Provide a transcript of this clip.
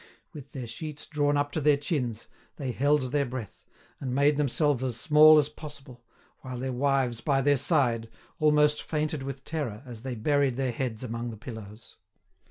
With their sheets drawn up to their chins, they held their breath, and made themselves as small as possible, while their wives, by their side, almost fainted with terror as they buried their heads among the pillows.